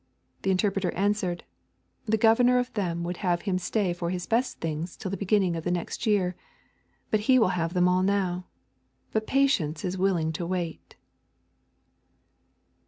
The Interpreter answered, The governor of them would have him stay for his best things till the beginning of the next year; but he will have them all now. But Patience is willing to wait.'